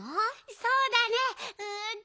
そうだねうんと。